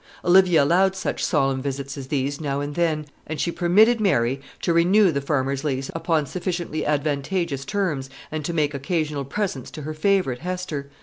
Olivia allowed such solemn visits as these now and then, and she permitted Mary to renew the farmer's lease upon sufficiently advantageous terms, and to make occasional presents to her favourite, Hester.